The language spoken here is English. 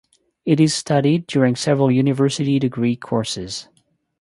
It is studied during several university degree courses.